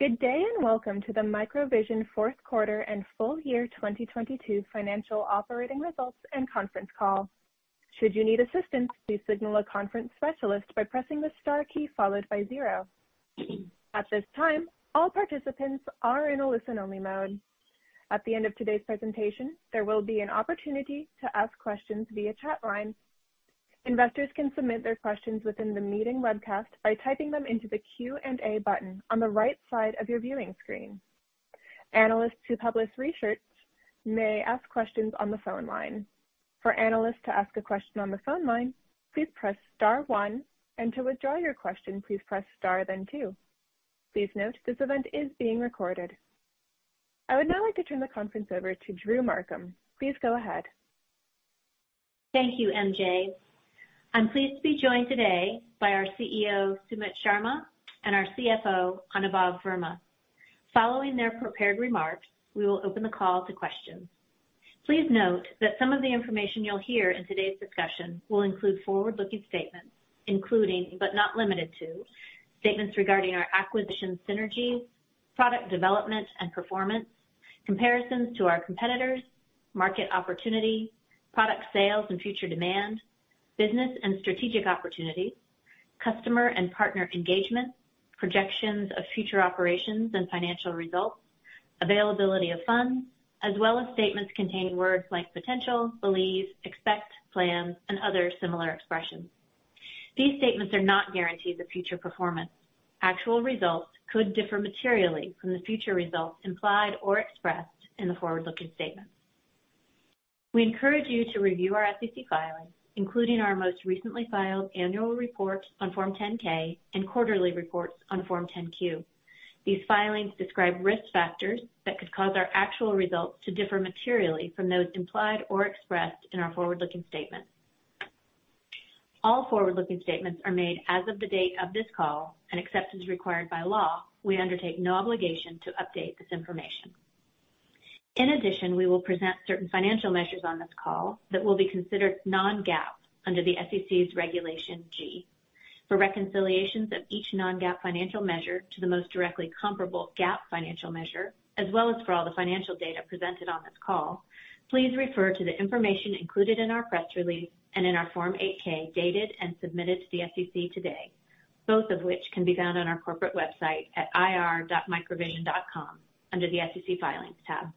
Good day, and welcome to the MicroVision Q4 and full year 2022 financial operating results and conference call. Should you need assistance, please signal a conference specialist by pressing the star key followed by zero. At this time, all participants are in a listen-only mode. At the end of today's presentation, there will be an opportunity to ask questions via chat line. Investors can submit their questions within the meeting webcast by typing them into the Q&A button on the right side of your viewing screen. Analysts who publish research may ask questions on the phone line. For analysts to ask a question on the phone line, please press star one. To withdraw your question, please press star, then two. Please note, this event is being recorded. I would now like to turn the conference over to Drew Markham. Please go ahead. Thank you, MJ. I'm pleased to be joined today by our CEO Sumit Sharma and our CFO Anubhav Verma. Following their prepared remarks, we will open the call to questions. Please note that some of the information you'll hear in today's discussion will include forward-looking statements, including, but not limited to, statements regarding our acquisition synergies, product development and performance, comparisons to our competitors, market opportunity, product sales and future demand, business and strategic opportunities, customer and partner engagement, projections of future operations and financial results, availability of funds, as well as statements containing words like potential, believe, expect, plans, and other similar expressions. These statements are not guarantees of future performance. Actual results could differ materially from the future results implied or expressed in the forward-looking statement. We encourage you to review our SEC filings, including our most recently filed annual report on Form 10-K and quarterly reports on Form 10-Q. These filings describe risk factors that could cause our actual results to differ materially from those implied or expressed in our forward-looking statement. All forward-looking statements are made as of the date of this call, except as required by law, we undertake no obligation to update this information. In addition, we will present certain financial measures on this call that will be considered non-GAAP under the SEC's Regulation G. For reconciliations of each non-GAAP financial measure to the most directly comparable GAAP financial measure, as well as for all the financial data presented on this call, please refer to the information included in our press release and in our Form 8-K dated and submitted to the SEC today, both of which can be found on our corporate website at ir.microvision.com under the SEC Filings tab.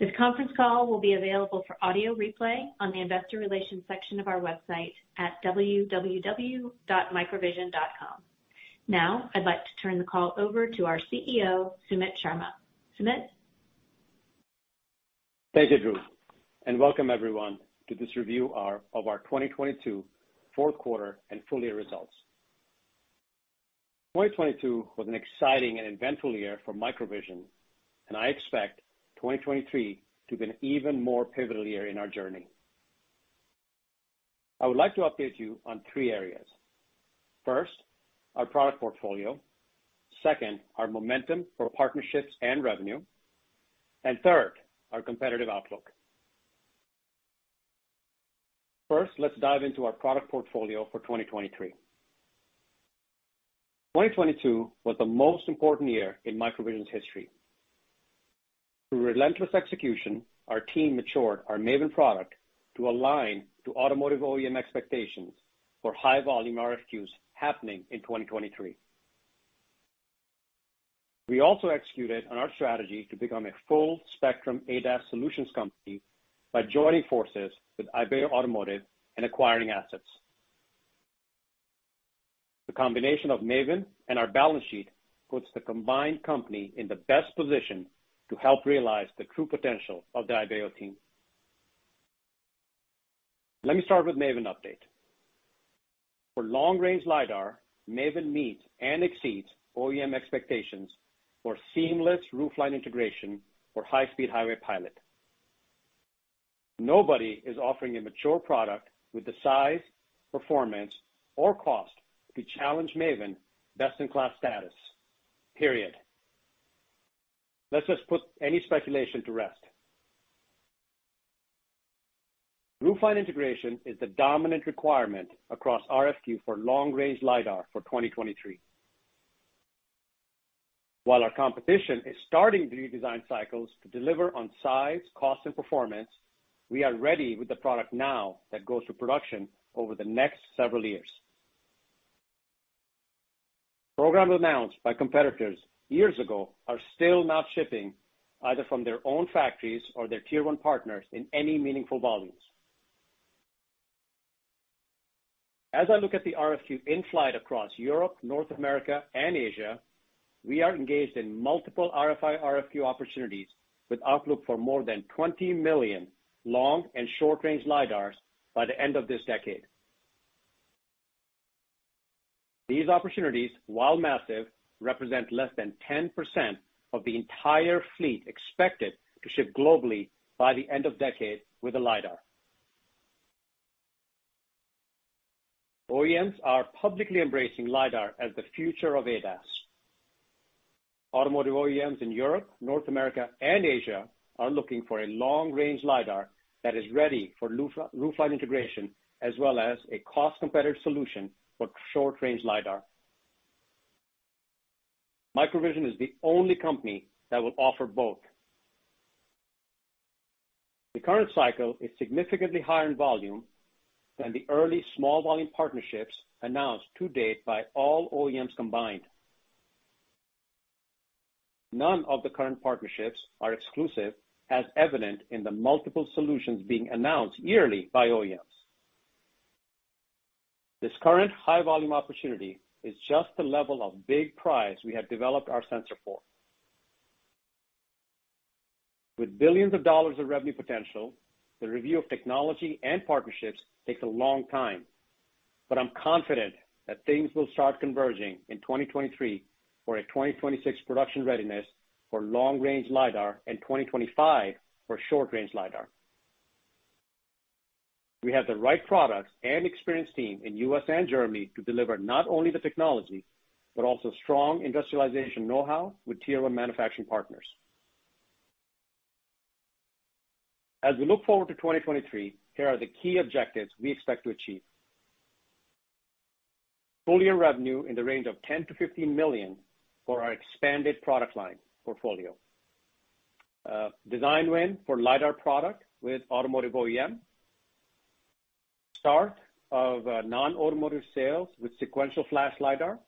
This conference call will be available for audio replay on the investor relations section of our website at www.microvision.com. Now, I'd like to turn the call over to our CEO, Sumit Sharma. Sumit. Thank you, Drew, and welcome everyone to this review of our 2022 Q4 and full year results. 2022 was an exciting and eventful year for MicroVision, and I expect 2023 to be an even more pivotal year in our journey. I would like to update you on three areas. First, our product portfolio. Second, our momentum for partnerships and revenue. Third, our competitive outlook. First, let's dive into our product portfolio for 2023. 2022 was the most important year in MicroVision's history. Through relentless execution, our team matured our MAVIN product to align to automotive OEM expectations for high volume RFQs happening in 2023. We also executed on our strategy to become a full-spectrum ADAS solutions company by joining forces with Ibeo Automotive and acquiring assets. The combination of MAVIN and our balance sheet puts the combined company in the best position to help realize the true potential of the Ibeo team. Let me start with MAVIN update. For long-range lidar, MAVIN meets and exceeds OEM expectations for seamless roofline integration for high-speed highway pilot. Nobody is offering a mature product with the size, performance, or cost to challenge MAVIN best-in-class status, period. Let's just put any speculation to rest. Roofline integration is the dominant requirement across RFQ for long-range lidar for 2023. While our competition is starting to redesign cycles to deliver on size, cost, and performance, we are ready with the product now that goes to production over the next several years. Programs announced by competitors years ago are still not shipping either from their own factories or their Tier 1 partners in any meaningful volumes. As I look at the RFQ in flight across Europe, North America, and Asia, we are engaged in multiple RFI, RFQ opportunities with outlook for more than 20 million long- and short-range lidars by the end of this decade. These opportunities, while massive, represent less than 10% of the entire fleet expected to ship globally by the end of decade with a lidar. OEMs are publicly embracing lidar as the future of ADAS. Automotive OEMs in Europe, North America, and Asia are looking for a long-range lidar that is ready for roofline integration, as well as a cost-competitive solution for short-range lidar. MicroVision is the only company that will offer both. The current cycle is significantly higher in volume than the early small volume partnerships announced to date by all OEMs combined. None of the current partnerships are exclusive, as evident in the multiple solutions being announced yearly by OEM. This current high volume opportunity is just the level of big prize we have developed our sensor for. With billions of dollars of revenue potential, the review of technology and partnerships takes a long time. I'm confident that things will start converging in 2023 for a 2026 production readiness for long-range lidar and 2025 for short-range lidar. We have the right products and experienced team in U.S. and Germany to deliver not only the technology, but also strong industrialization know-how with Tier one manufacturing partners. As we look forward to 2023, here are the key objectives we expect to achieve. Full year revenue in the range of $10 million-$15 million for our expanded product line portfolio. Design win for lidar product with automotive OEM. Start of non-automotive sales with sequential flash lidar.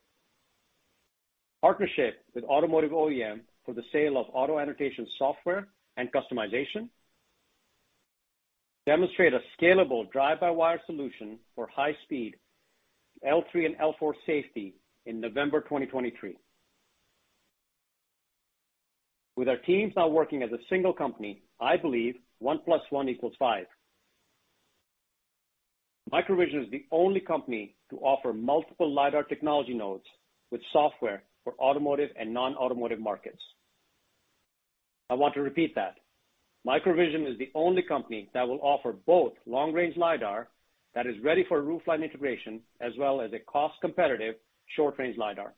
Partnership with automotive OEM for the sale of auto-annotation software and customization. Demonstrate a scalable drive-by-wire solution for high speed L3 and L4 safety in November 2023. With our teams now working as a single company, I believe one plus one equals five. MicroVision is the only company to offer multiple lidar technology nodes with software for automotive and non-automotive markets. I want to repeat that. MicroVision is the only company that will offer both long-range lidar that is ready for roofline integration, as well as a cost-competitive short-range lidar.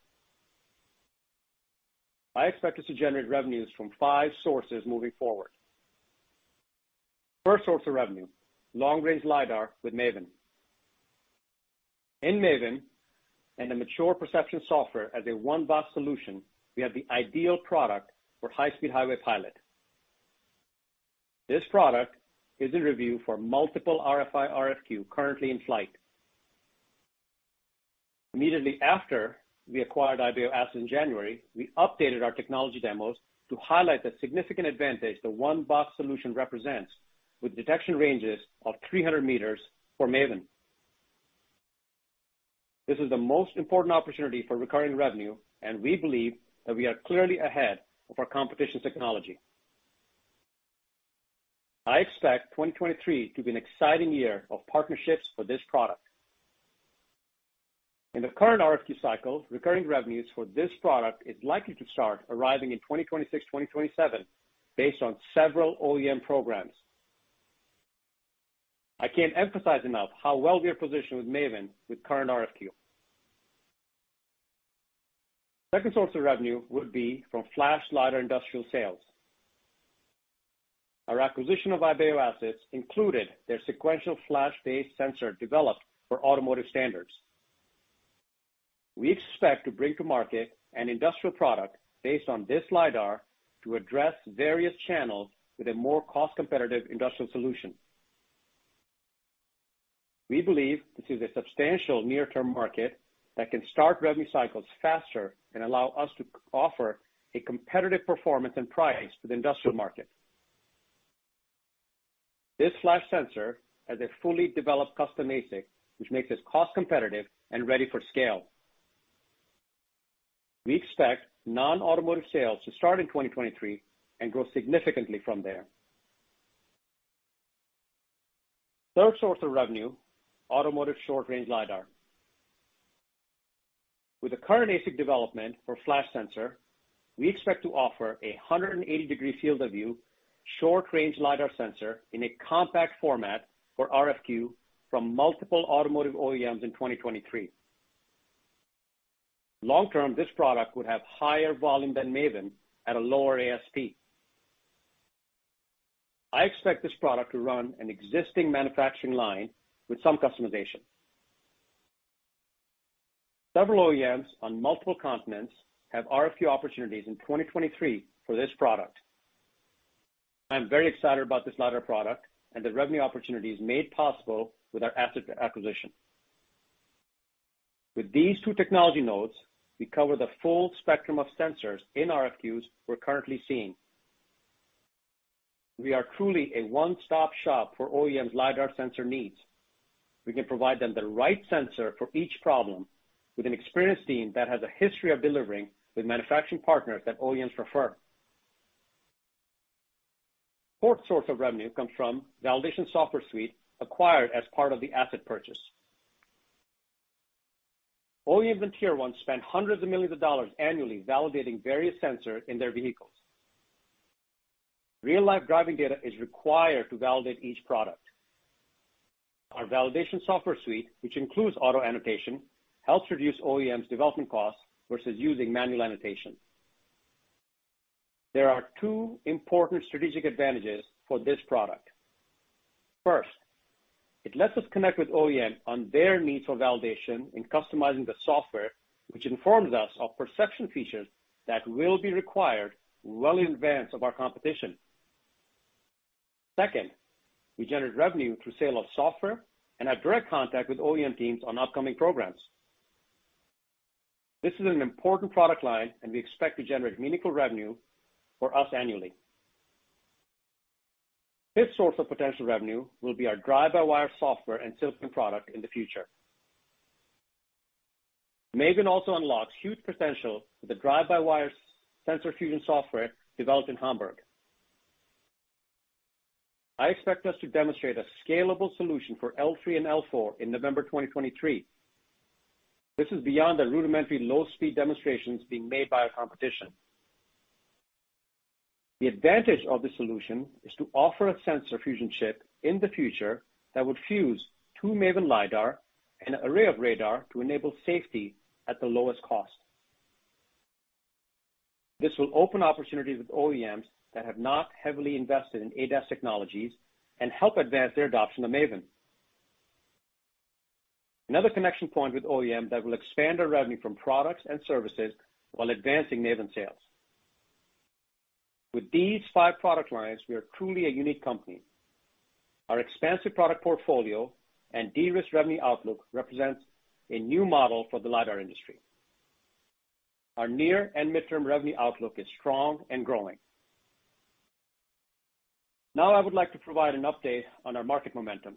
I expect us to generate revenues from five sources moving forward. First source of revenue, long-range lidar with MAVIN. In MAVIN and a mature perception software as a one-box solution, we have the ideal product for high-speed highway pilot. This product is in review for multiple RFI, RFQ currently in flight. Immediately after we acquired Ibeo assets in January, we updated our technology demos to highlight the significant advantage the one-box solution represents with detection ranges of 300 meters for MAVIN. This is the most important opportunity for recurring revenue, and we believe that we are clearly ahead of our competition's technology. I expect 2023 to be an exciting year of partnerships for this product. In the current RFQ cycle, recurring revenues for this product is likely to start arriving in 2026, 2027 based on several OEM programs. I can't emphasize enough how well we are positioned with MAVIN with current RFQ. Second source of revenue would be from flash lidar industrial sales. Our acquisition of Ibeo assets included their sequential flash-based sensor developed for automotive standards. We expect to bring to market an industrial product based on this lidar to address various channels with a more cost-competitive industrial solution. We believe this is a substantial near-term market that can start revenue cycles faster and allow us to offer a competitive performance and price to the industrial market. This flash sensor has a fully developed custom ASIC, which makes us cost-competitive and ready for scale. We expect non-automotive sales to start in 2023 and grow significantly from there. Third source of revenue, automotive short-range lidar. With the current ASIC development for flash sensor, we expect to offer a 180-degree field of view, short-range lidar sensor in a compact format for RFQ from multiple automotive OEMs in 2023. Long-term, this product would have higher volume than MAVIN at a lower ASP. I expect this product to run an existing manufacturing line with some customization. Several OEMs on multiple continents have RFQ opportunities in 2023 for this product. I am very excited about this lidar product and the revenue opportunities made possible with our asset acquisition. With these two technology nodes, we cover the full spectrum of sensors in RFQs we're currently seeing. We are truly a one-stop shop for OEM lidar sensor needs. We can provide them the right sensor for each problem with an experienced team that has a history of delivering with manufacturing partners that OEMs refer. Fourth source of revenue comes from validation software suite acquired as part of the asset purchase. OEMs and Tier 1s spend hundreds of millions of dollars annually validating various sensor in their vehicles. Real life driving data is required to validate each product. Our validation software suite, which includes auto-annotation, helps reduce OEM's development costs versus using manual annotation. There are two important strategic advantages for this product. First, it lets us connect with OEM on their needs for validation in customizing the software, which informs us of perception features that will be required well in advance of our competition. Second, we generate revenue through sale of software and have direct contact with OEM teams on upcoming programs. This is an important product line, and we expect to generate meaningful revenue for us annually. Fifth source of potential revenue will be our drive-by-wire software and silicon product in the future. MAVIN also unlocks huge potential with the drive-by-wire sensor fusion software developed in Hamburg. I expect us to demonstrate a scalable solution for L3 and L4 in November 2023. This is beyond the rudimentary low speed demonstrations being made by our competition. The advantage of this solution is to offer a sensor fusion chip in the future that would fuse two MAVIN lidar and an array of radar to enable safety at the lowest cost. This will open opportunities with OEMs that have not heavily invested in ADAS technologies and help advance their adoption of MAVIN. Another connection point with OEM that will expand our revenue from products and services while advancing MAVIN sales. With these five product lines, we are truly a unique company. Our expansive product portfolio and de-risked revenue outlook represents a new model for the lidar industry. Our near and midterm revenue outlook is strong and growing. Now I would like to provide an update on our market momentum.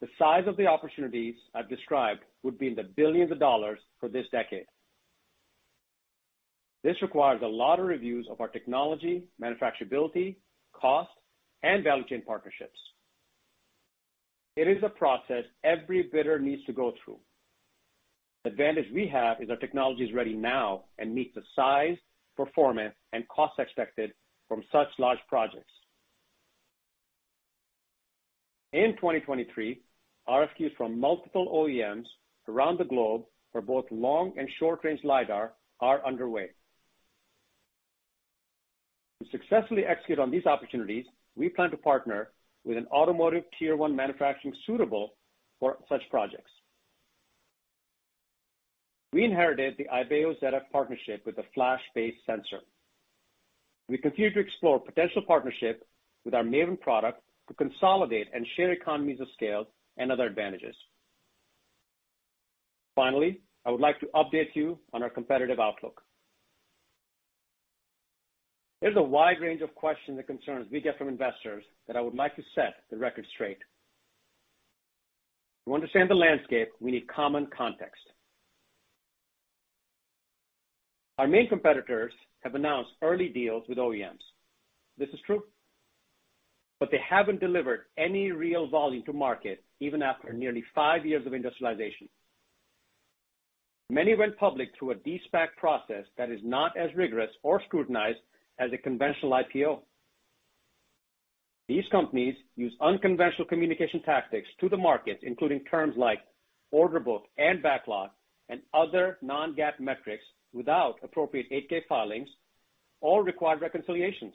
The size of the opportunities I've described would be in the $ billions for this decade. This requires a lot of reviews of our technology, manufacturability, cost, and value chain partnerships. It is a process every bidder needs to go through. The advantage we have is our technology is ready now and meets the size, performance, and cost expected from such large projects. In 2023, RFQs from multiple OEMs around the globe for both long and short-range lidar are underway. To successfully execute on these opportunities, we plan to partner with an automotive Tier 1 manufacturing suitable for such projects. We inherited the Ibeo ZF partnership with the flash-based sensor. We continue to explore potential partnership with our MAVIN product to consolidate and share economies of scale and other advantages. Finally, I would like to update you on our competitive outlook. There's a wide range of questions and concerns we get from investors that I would like to set the record straight. To understand the landscape, we need common context. Our main competitors have announced early deals with OEMs. This is true. They haven't delivered any real volume to market even after nearly five years of industrialization. Many went public through a de-SPAC process that is not as rigorous or scrutinized as a conventional IPO. These companies use unconventional communication tactics to the market, including terms like order book and backlog and other non-GAAP metrics without appropriate 8-K filings or required reconciliations.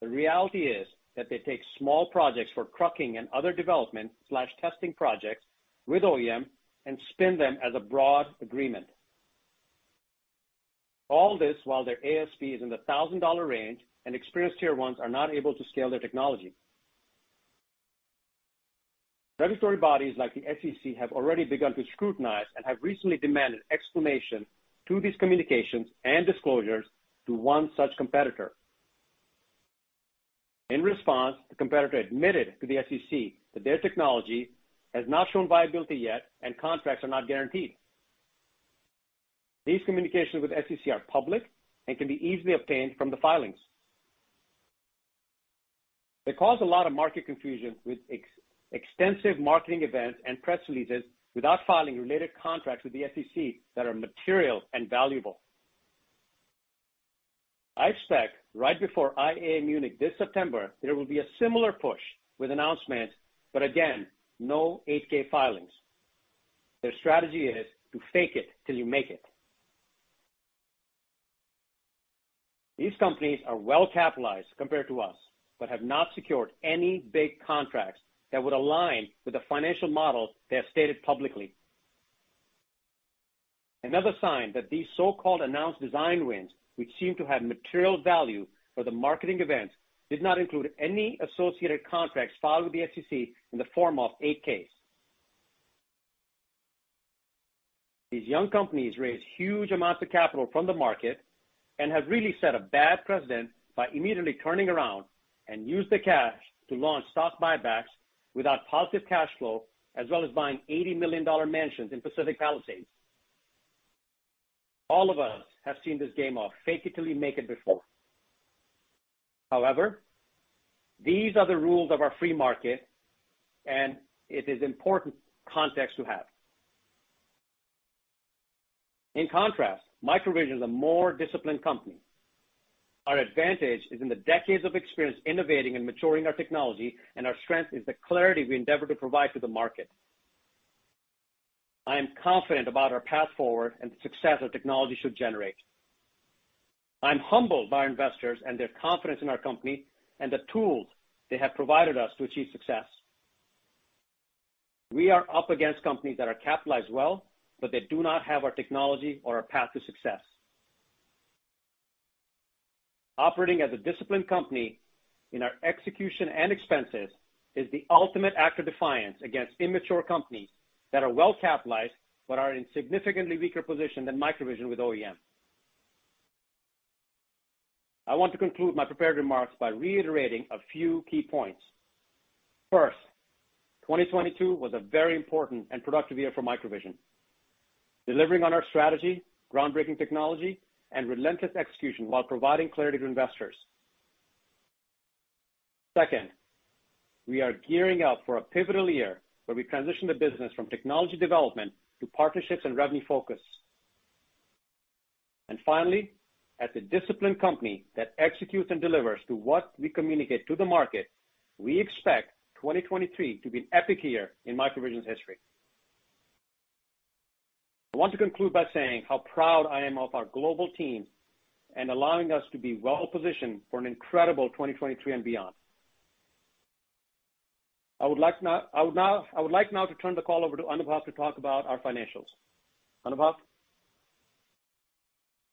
The reality is that they take small projects for trucking and other development/testing projects with OEM and spin them as a broad agreement. All this while their ASP is in the thousand-dollar range and experienced Tier 1s are not able to scale their technology. Regulatory bodies like the SEC have already begun to scrutinize and have recently demanded explanation to these communications and disclosures to one such competitor. In response, the competitor admitted to the SEC that their technology has not shown viability yet and contracts are not guaranteed. These communications with SEC are public and can be easily obtained from the filings. They cause a lot of market confusion with extensive marketing events and press releases without filing related contracts with the SEC that are material and valuable. I expect right before IAA Munich this September, there will be a similar push with announcements, but again, no 8-K filings. Their strategy is to fake it till you make it. These companies are well capitalized compared to us, but have not secured any big contracts that would align with the financial model they have stated publicly. Sign that these so-called announced design wins, which seem to have material value for the marketing events, did not include any associated contracts filed with the SEC in the form of 8-Ks. These young companies raise huge amounts of capital from the market and have really set a bad precedent by immediately turning around and use the cash to launch stock buybacks without positive cash flow, as well as buying $80 million mansions in Pacific Palisades. All of us have seen this game of fake it till you make it before. However, these are the rules of our free market, and it is important context to have. In contrast, MicroVision is a more disciplined company. Our advantage is in the decades of experience innovating and maturing our technology, and our strength is the clarity we endeavor to provide to the market. I am confident about our path forward and the success our technology should generate. I'm humbled by our investors and their confidence in our company, and the tools they have provided us to achieve success. We are up against companies that are capitalized well. They do not have our technology or a path to success. Operating as a disciplined company in our execution and expenses is the ultimate act of defiance against immature companies that are well capitalized but are in significantly weaker position than MicroVision with OEM. I want to conclude my prepared remarks by reiterating a few key points. First, 2022 was a very important and productive year for MicroVision, delivering on our strategy, groundbreaking technology and relentless execution while providing clarity to investors. Second, we are gearing up for a pivotal year where we transition the business from technology development to partnerships and revenue focus. Finally, as a disciplined company that executes and delivers to what we communicate to the market, we expect 2023 to be an epic year in MicroVision's history. I want to conclude by saying how proud I am of our global team in allowing us to be well positioned for an incredible 2023 and beyond. I would like now to turn the call over to Anubhav to talk about our financials. Anubhav?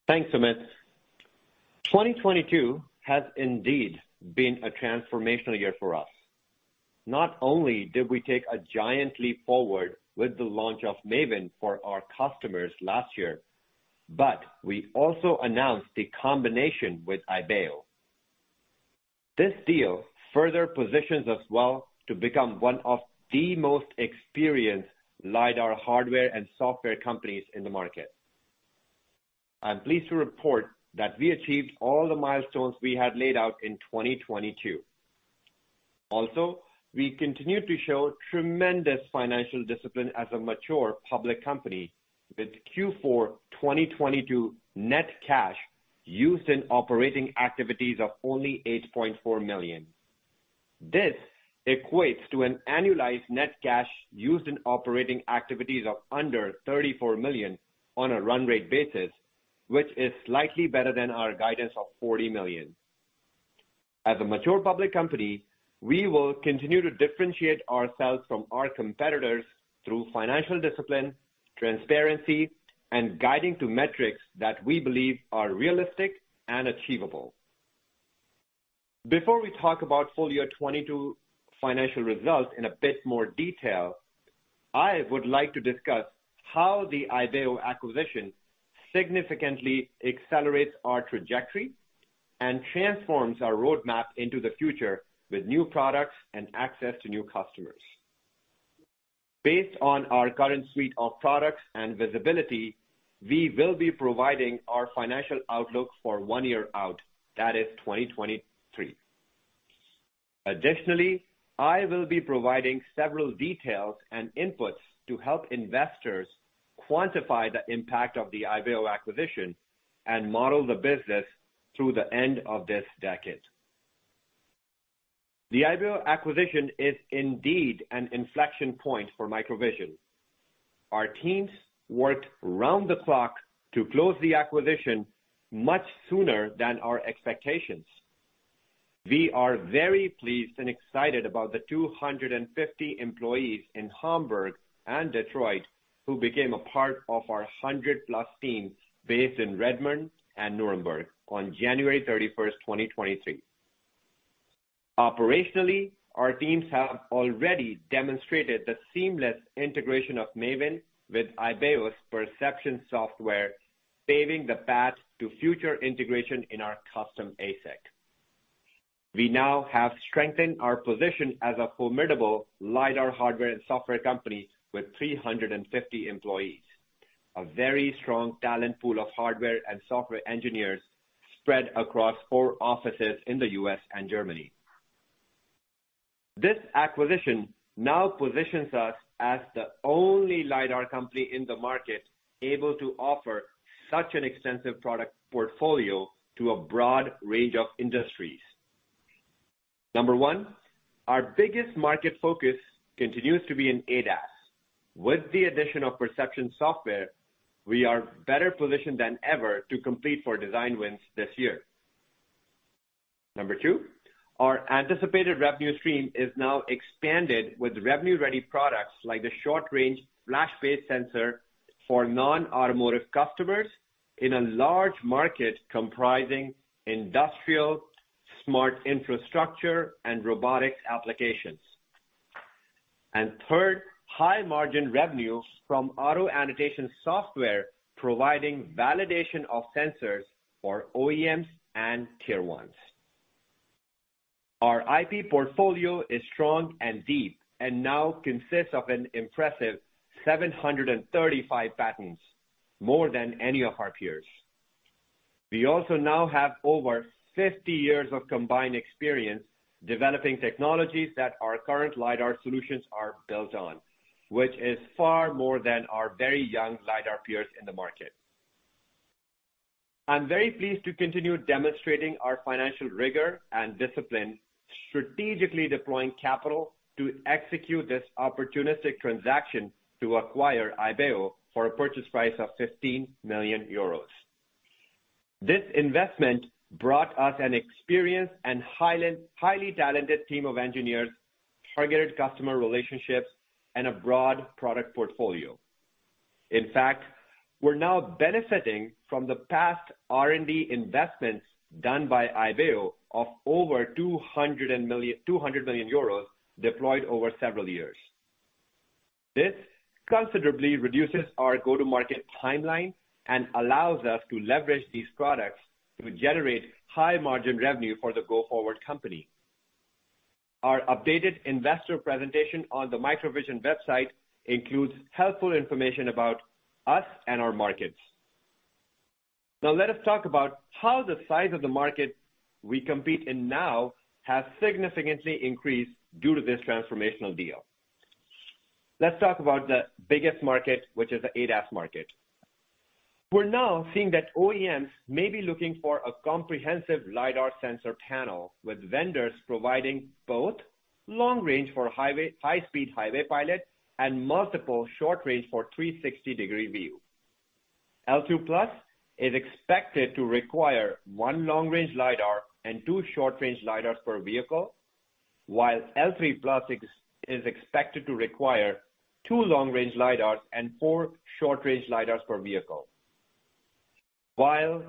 Thanks, Sumit. 2022 has indeed been a transformational year for us. Not only did we take a giant leap forward with the launch of MAVIN for our customers last year, but we also announced the combination with Ibeo. This deal further positions us well to become one of the most experienced lidar hardware and software companies in the market. I'm pleased to report that we achieved all the milestones we had laid out in 2022. We continue to show tremendous financial discipline as a mature public company with Q4 2022 net cash used in operating activities of only $8.4 million. This equates to an annualized net cash used in operating activities of under $34 million on a run rate basis, which is slightly better than our guidance of $40 million. As a mature public company, we will continue to differentiate ourselves from our competitors through financial discipline, transparency, and guiding to metrics that we believe are realistic and achievable. Before we talk about full year 2022 financial results in a bit more detail, I would like to discuss how the Ibeo acquisition significantly accelerates our trajectory and transforms our roadmap into the future with new products and access to new customers. Based on our current suite of products and visibility, we will be providing our financial outlook for one year out, that is, 2023. Additionally, I will be providing several details and inputs to help investors quantify the impact of the Ibeo acquisition and model the business through the end of this decade. The Ibeo acquisition is indeed an inflection point for MicroVision. Our teams worked round the clock to close the acquisition much sooner than our expectations. We are very pleased and excited about the 250 employees in Hamburg and Detroit who became a part of our 100-plus team based in Redmond and Nuremberg on January 31st, 2023. Operationally, our teams have already demonstrated the seamless integration of MAVIN with Ibeo's perception software, paving the path to future integration in our custom ASIC. We now have strengthened our position as a formidable lidar hardware and software company with 350 employees, a very strong talent pool of hardware and software engineers spread across four offices in the U.S. and Germany. This acquisition now positions us as the only lidar company in the market able to offer such an extensive product portfolio to a broad range of industries. Number one, our biggest market focus continues to be in ADAS. With the addition of perception software, we are better positioned than ever to compete for design wins this year. Number two, our anticipated revenue stream is now expanded with revenue-ready products like the short-range flash-based sensor for non-automotive customers in a large market comprising industrial, smart infrastructure, and robotics applications. Third, high-margin revenues from auto-annotation software providing validation of sensors for OEMs and Tier 1s. Our IP portfolio is strong and deep and now consists of an impressive 735 patents, more than any of our peers. We also now have over 50 years of combined experience developing technologies that our current lidar solutions are built on, which is far more than our very young lidar peers in the market. I'm very pleased to continue demonstrating our financial rigor and discipline, strategically deploying capital to execute this opportunistic transaction to acquire Ibeo for a purchase price of 15 million euros. This investment brought us an experienced and highly talented team of engineers, targeted customer relationships, and a broad product portfolio. In fact, we're now benefiting from the past R&D investments done by Ibeo of over 200 million euros deployed over several years. This considerably reduces our go-to-market timeline and allows us to leverage these products to generate high margin revenue for the go-forward company. Our updated investor presentation on the MicroVision website includes helpful information about us and our markets. Let us talk about how the size of the market we compete in now has significantly increased due to this transformational deal. Let's talk about the biggest market, which is the ADAS market. We're now seeing that OEMs may be looking for a comprehensive lidar sensor panel, with vendors providing both long range for high speed highway pilot and multiple short range for 360-degree view. L2 plus is expected to require one long-range lidar and two short-range lidars per vehicle, while L3 plus is expected to require two long-range lidars and four short-range lidars per vehicle.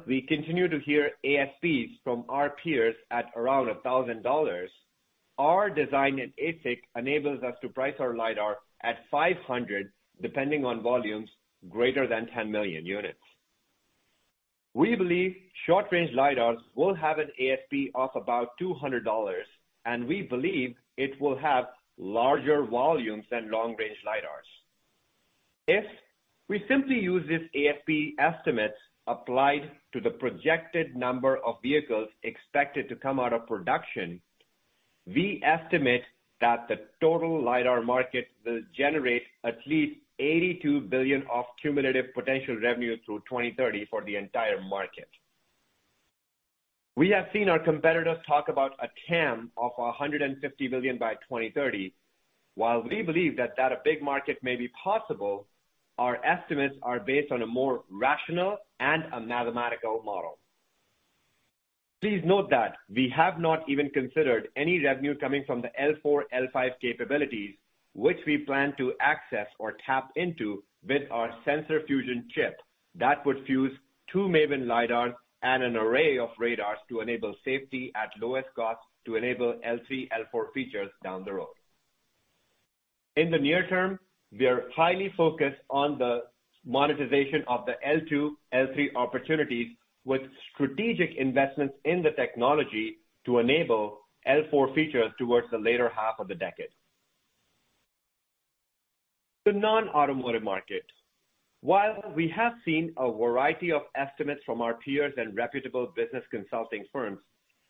We continue to hear ASPs from our peers at around $1,000, our design at ASIC enables us to price our lidar at $500, depending on volumes greater than 10 million units. We believe short-range lidars will have an ASP of about $200, and we believe it will have larger volumes than long-range lidars. If we simply use these ASP estimates applied to the projected number of vehicles expected to come out of production, we estimate that the total lidar market will generate at least $82 billion of cumulative potential revenue through 2030 for the entire market. We have seen our competitors talk about a TAM of $150 billion by 2030. While we believe that a big market may be possible, our estimates are based on a more rational and a mathematical model. Please note that we have not even considered any revenue coming from the L4, L5 capabilities, which we plan to access or tap into with our sensor fusion chip that would fuse two MAVIN lidars and an array of radars to enable safety at lowest cost to enable L3, L4 features down the road. In the near term, we are highly focused on the monetization of the L2, L3 opportunities with strategic investments in the technology to enable L4 features towards the later half of the decade. The non-automotive market. While we have seen a variety of estimates from our peers and reputable business consulting firms,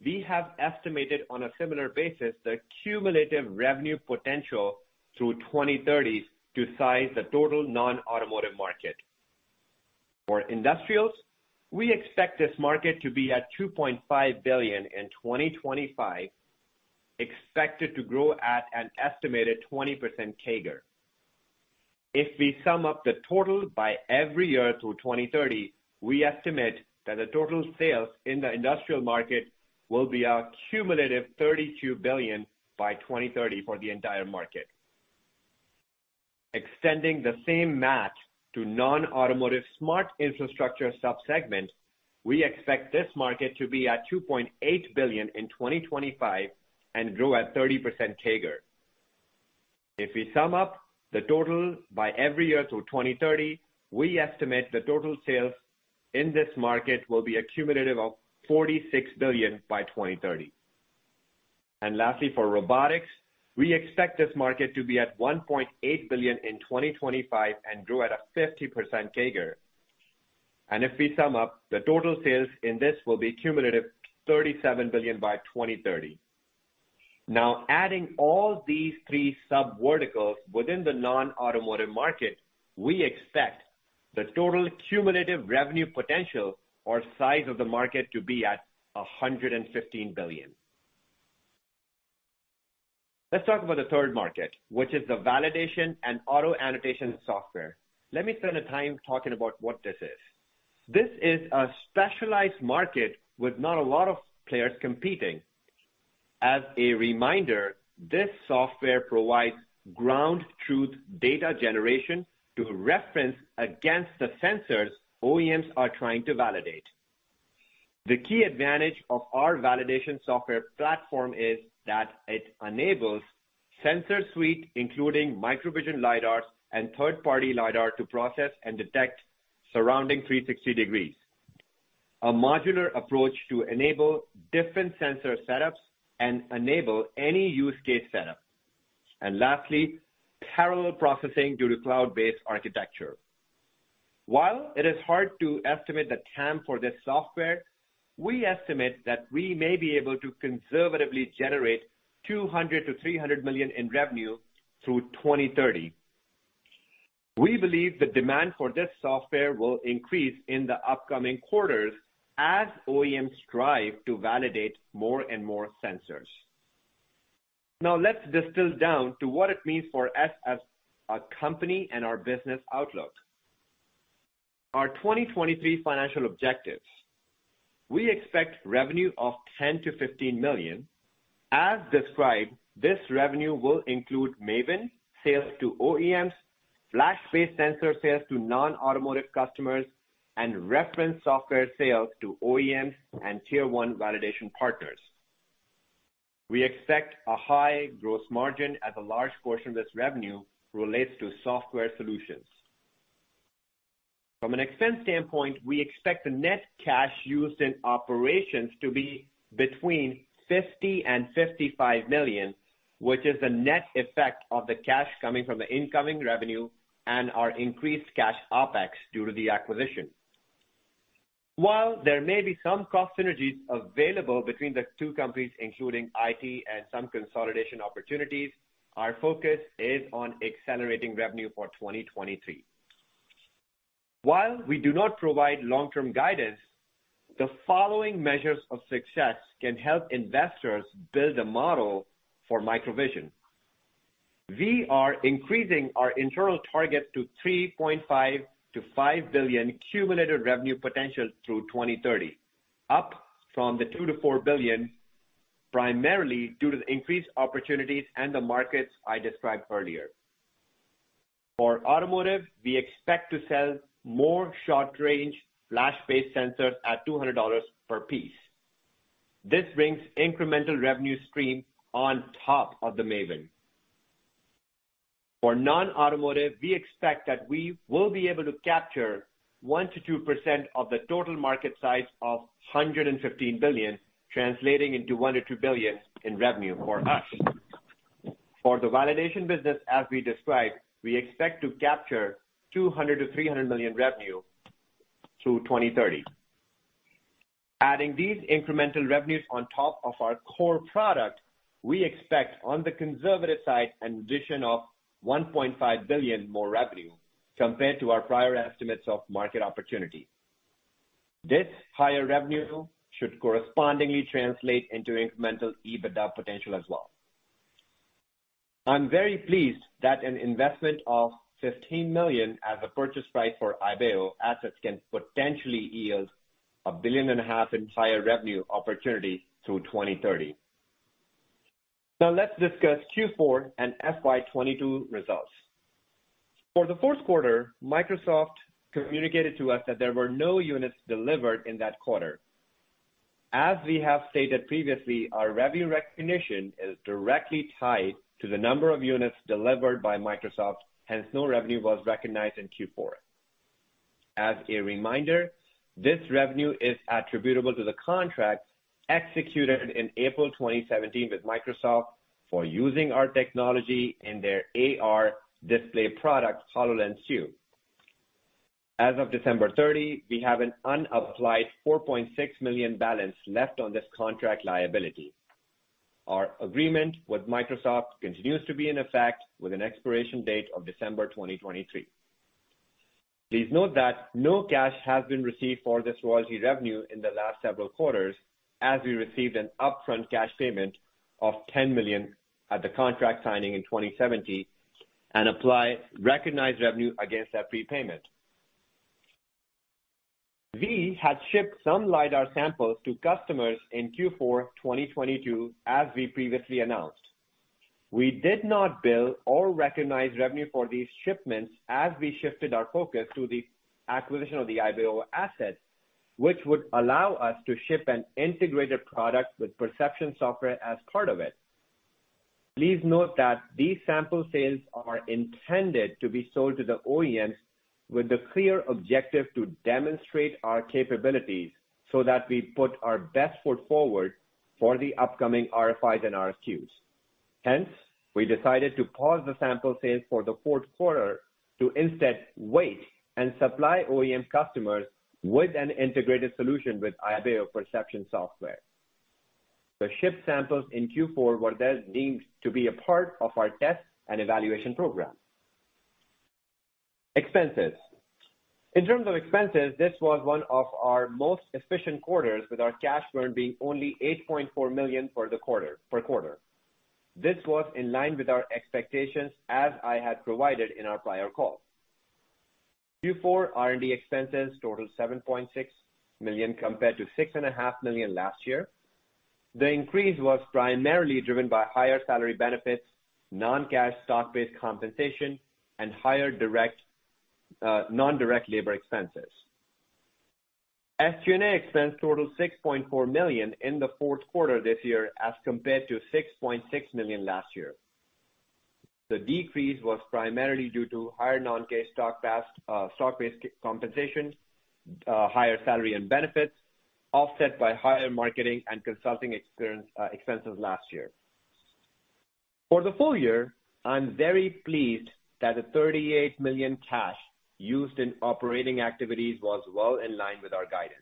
we have estimated on a similar basis the cumulative revenue potential through 2030 to size the total non-automotive market. For industrials, we expect this market to be at $2.5 billion in 2025, expected to grow at an estimated 20% CAGR. If we sum up the total by every year through 2030, we estimate that the total sales in the industrial market will be a cumulative $32 billion by 2030 for the entire market. Extending the same math to non-automotive smart infrastructure sub-segment, we expect this market to be at $2.8 billion in 2025 and grow at 30% CAGR. If we sum up the total by every year through 2030, we estimate the total sales in this market will be a cumulative of $46 billion by 2030. Lastly, for robotics, we expect this market to be at $1.8 billion in 2025 and grow at a 50% CAGR. If we sum up the total sales in this will be cumulative $37 billion by 2030. Now, adding all these three sub-verticals within the non-automotive market, we expect the total cumulative revenue potential or size of the market to be at $115 billion. Let's talk about the third market, which is the validation and auto-annotation software. Let me spend the time talking about what this is. This is a specialized market with not a lot of players competing. As a reminder, this software provides ground truth data generation to reference against the sensors OEMs are trying to validate. The key advantage of our validation software platform is that it enables sensor suite, including MicroVision lidars and third-party lidar to process and detect surrounding 360 degrees. A modular approach to enable different sensor setups and enable any use case setup. Lastly, parallel processing due to cloud-based architecture. While it is hard to estimate the TAM for this software, we estimate that we may be able to conservatively generate $200 million-$300 million in revenue through 2030. We believe the demand for this software will increase in the upcoming quarters as OEMs strive to validate more and more sensors. Now let's distill down to what it means for us as a company and our business outlook. Our 2023 financial objectives. We expect revenue of $10 million-$15 million. As described, this revenue will include MAVIN sales to OEMs, flash-based sensor sales to non-automotive customers, and reference software sales to OEMs and Tier 1 validation partners. We expect a high gross margin as a large portion of this revenue relates to software solutions. From an expense standpoint, we expect the net cash used in operations to be between $50 million and $55 million, which is the net effect of the cash coming from the incoming revenue and our increased cash OpEx due to the acquisition. While there may be some cost synergies available between the two companies, including IT and some consolidation opportunities, our focus is on accelerating revenue for 2023. While we do not provide long-term guidance, the following measures of success can help investors build a model for MicroVision. We are increasing our internal target to $3.5 billion-$5 billion cumulative revenue potential through 2030, up from the $2 billion-$4 billion, primarily due to the increased opportunities and the markets I described earlier. For automotive, we expect to sell more short-range flash-based sensors at $200 per piece. This brings incremental revenue stream on top of the MAVIN. For non-automotive, we expect that we will be able to capture 1%-2% of the total market size of $115 billion, translating into $1 billion-$2 billion in revenue for us. For the validation business, as we described, we expect to capture $200 million-$300 million revenue through 2030. Adding these incremental revenues on top of our core product, we expect, on the conservative side, an addition of $1.5 billion more revenue compared to our prior estimates of market opportunity. This higher revenue should correspondingly translate into incremental EBITDA potential as well. I'm very pleased that an investment of 15 million as a purchase price for Ibeo assets can potentially yield $1.5 billion in higher revenue opportunity through 2030. Let's discuss Q4 and FY 2022 results. For the Q4, Microsoft communicated to us that there were no units delivered in that quarter. As we have stated previously, our revenue recognition is directly tied to the number of units delivered by Microsoft, hence, no revenue was recognized in Q4. As a reminder, this revenue is attributable to the contract executed in April 2017 with Microsoft for using our technology in their AR display product, HoloLens 2. As of December 30, we have an unapplied $4.6 million balance left on this contract liability. Our agreement with Microsoft continues to be in effect, with an expiration date of December 2023. Please note that no cash has been received for this royalty revenue in the last several quarters, as we received an upfront cash payment of $10 million at the contract signing in 2017 and apply recognized revenue against that prepayment. We had shipped some lidar samples to customers in Q4 2022, as we previously announced. We did not bill or recognize revenue for these shipments as we shifted our focus to the acquisition of the Ibeo assets, which would allow us to ship an integrated product with perception software as part of it. Please note that these sample sales are intended to be sold to the OEMs with the clear objective to demonstrate our capabilities so that we put our best foot forward for the upcoming RFIs and RFQs. We decided to pause the sample sales for the Q4 to instead wait and supply OEM customers with an integrated solution with Ibeo perception software. The shipped samples in Q4 were thus deemed to be a part of our test and evaluation program. Expenses. In terms of expenses, this was one of our most efficient quarters, with our cash burn being only $8.4 million per quarter. This was in line with our expectations, as I had provided in our prior call. Q4 R&D expenses totaled $7.6 million compared to $6.5 million last year. The increase was primarily driven by higher salary benefits, non-cash stock-based compensation, and higher non-direct labor expenses. SG&A expense totaled $6.4 million in the Q4 this year as compared to $6.6 million last year. The decrease was primarily due to higher non-cash stock-based compensation, higher salary and benefits. Offset by higher marketing and consulting expenses last year. For the full year, I'm very pleased that the $38 million cash used in operating activities was well in line with our guidance.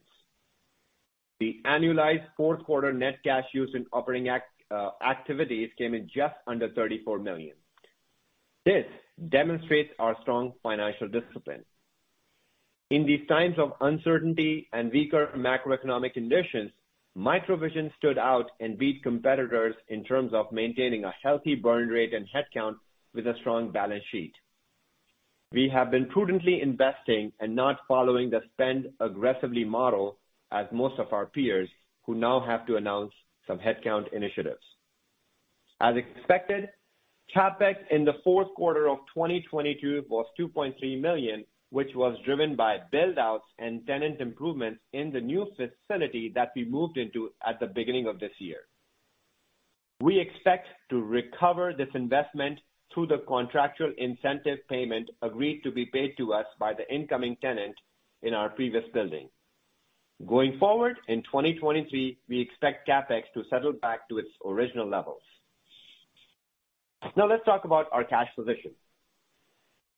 The annualized Q4net cash used in operating activities came in just under $34 million. This demonstrates our strong financial discipline. In these times of uncertainty and weaker macroeconomic conditions, MicroVision stood out and beat competitors in terms of maintaining a healthy burn rate and headcount with a strong balance sheet. We have been prudently investing and not following the spend aggressively model as most of our peers, who now have to announce some headcount initiatives. As expected, CapEx in the Q4 of 2022 was $2.3 million, which was driven by build-outs and tenant improvements in the new facility that we moved into at the beginning of this year. We expect to recover this investment through the contractual incentive payment agreed to be paid to us by the incoming tenant in our previous building. Going forward, in 2023, we expect CapEx to settle back to its original levels. Now let's talk about our cash position.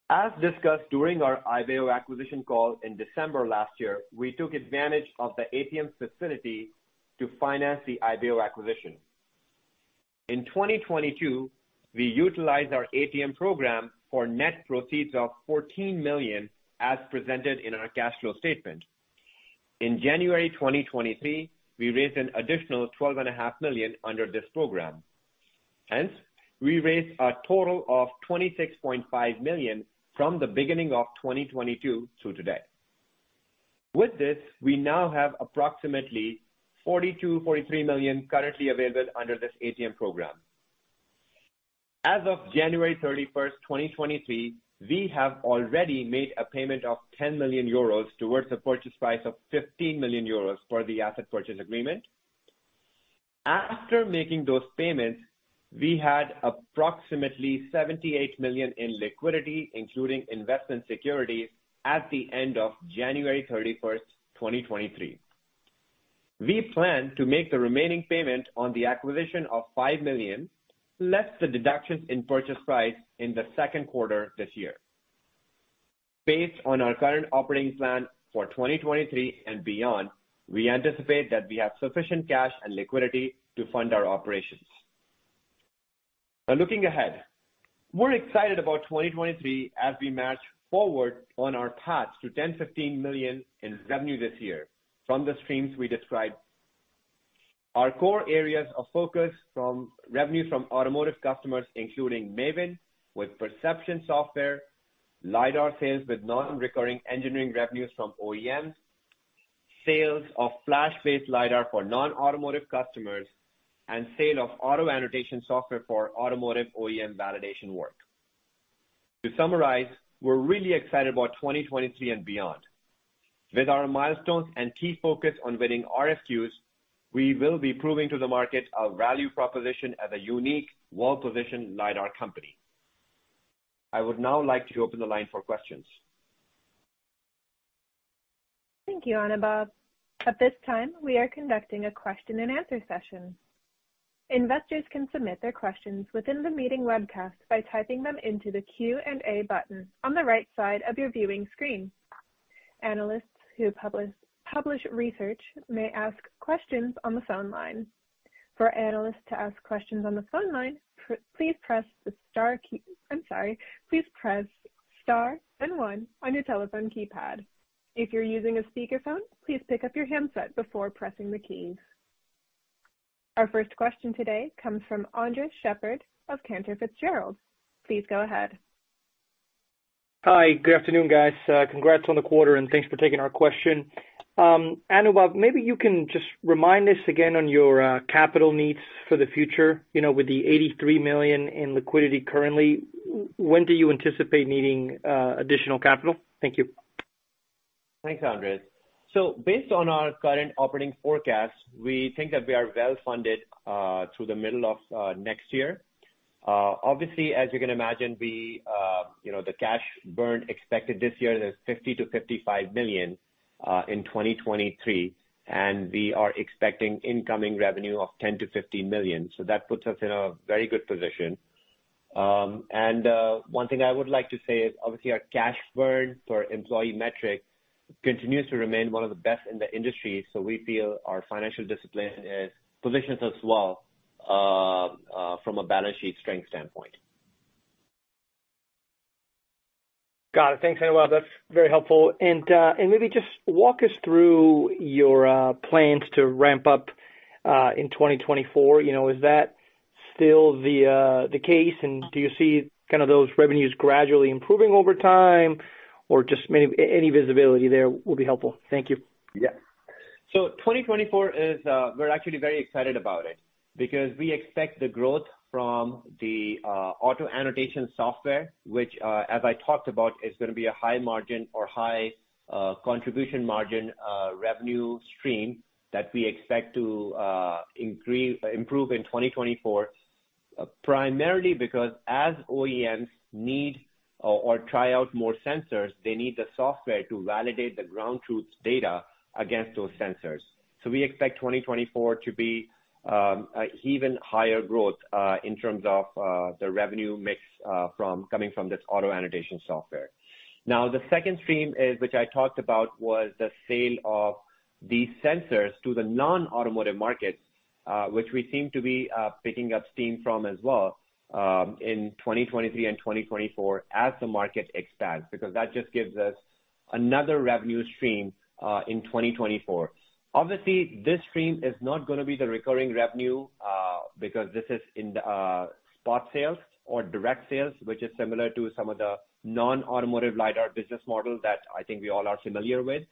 As discussed during our Ibeo acquisition call in December last year, we took advantage of the ATM facility to finance the Ibeo acquisition. In 2022, we utilized our ATM program for net proceeds of $14 million, as presented in our cash flow statement. In January 2023, we raised an additional $12.5 million under this program. We raised a total of $26.5 million from the beginning of 2022 to today. With this, we now have approximately $42 million-$43 million currently available under this ATM program. As of January 31st, 2023, we have already made a payment of 10 million euros towards the purchase price of 15 million euros for the asset purchase agreement. After making those payments, we had approximately $78 million in liquidity, including investment securities, at the end of January 31st, 2023. We plan to make the remaining payment on the acquisition of $5 million, less the deductions in purchase price in the Q2 this year. Based on our current operating plan for 2023 and beyond, we anticipate that we have sufficient cash and liquidity to fund our operations. Now looking ahead. We're excited about 2023 as we march forward on our path to $10 million-$15 million in revenue this year from the streams we described. Our core areas of focus from revenue from automotive customers, including MAVIN with perception software, lidar sales with non-recurring engineering revenues from OEMs, sales of flash-based lidar for non-automotive customers, and sale of auto-annotation software for automotive OEM validation work. To summarize, we're really excited about 2023 and beyond. With our milestones and key focus on winning RFQs, we will be proving to the market our value proposition as a unique, well-positioned lidar company. I would now like to open the line for questions. Thank you, Anubhav. At this time, we are conducting a question and answer session. Investors can submit their questions within the meeting webcast by typing them into the Q&A button on the right side of your viewing screen. Analysts who publish research may ask questions on the phone line. For analysts to ask questions on the phone line, please press the star key... I'm sorry. Please press Star and one on your telephone keypad. If you're using a speakerphone, please pick up your handset before pressing the keys. Our first question today comes from Andres Sheppard of Cantor Fitzgerald. Please go ahead. Hi. Good afternoon, guys. Congrats on the quarter, thanks for taking our question. Anubhav, maybe you can just remind us again on your capital needs for the future. You know, with the $83 million in liquidity currently, when do you anticipate needing additional capital? Thank you. Thanks, Andres. Based on our current operating forecast, we think that we are well funded through the middle of next year. Obviously, as you can imagine, we, you know, the cash burn expected this year is $50 million-$55 million in 2023, and we are expecting incoming revenue of $10 million-$15 million. That puts us in a very good position. One thing I would like to say is, obviously our cash burn per employee metric continues to remain one of the best in the industry, so we feel our financial discipline is, positions us well from a balance sheet strength standpoint. Got it. Thanks, Anubhav. That's very helpful. Maybe just walk us through your plans to ramp up in 2024. You know, is that still the case? Do you see kind of those revenues gradually improving over time? Or just any visibility there will be helpful. Thank you. Yeah. 2024 is, we're actually very excited about it because we expect the growth from the auto-annotation software, which, as I talked about, is gonna be a high margin or high contribution margin revenue stream that we expect to improve in 2024. Primarily because as OEMs need or try out more sensors, they need the software to validate the ground truth data against those sensors. We expect 2024 to be an even higher growth in terms of the revenue mix from, coming from this auto-annotation software. The second stream is, which I talked about, was the sale of these sensors to the non-automotive markets, which we seem to be picking up steam from as well, in 2023 and 2024 as the market expands, because that just gives us another revenue stream, in 2024. Obviously, this stream is not gonna be the recurring revenue, because this is in the spot sales or direct sales, which is similar to some of the non-automotive lidar business models that I think we all are familiar with.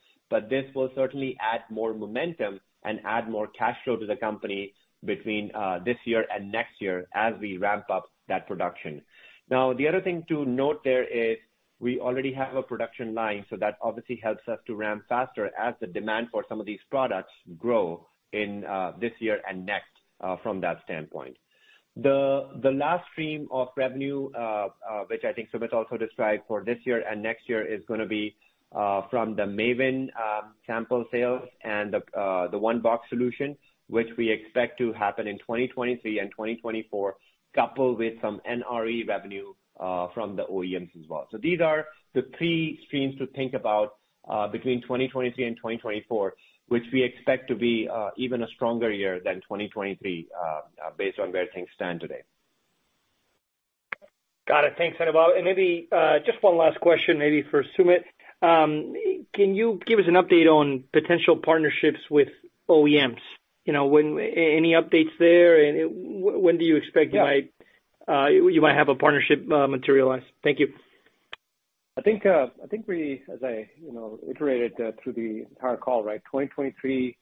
This will certainly add more momentum and add more cash flow to the company between this year and next year as we ramp up that production. The other thing to note there is we already have a production line, so that obviously helps us to ramp faster as the demand for some of these products grow in this year and next from that standpoint. The last stream of revenue, which I think Sumit also described for this year and next year is gonna be from the MAVIN sample sales and the one box solution, which we expect to happen in 2023 and 2024, coupled with some NRE revenue from the OEMs as well. These are the three streams to think about between 2023 and 2024, which we expect to be even a stronger year than 2023 based on where things stand today. Got it. Thanks, Anubhav. Maybe, just one last question, maybe for Sumit. Can you give us an update on potential partnerships with OEMs? You know, any updates there? When do you expect... Yeah. You might have a partnership materialize? Thank you. I think, I think we, as I, you know, iterated through the entire call, right, 2023